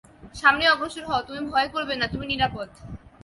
সামনে অগ্রসর হও, তুমি ভয় করবে না, তুমি নিরাপদ।